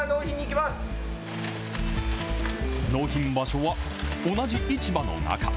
納品場所は同じ市場の中。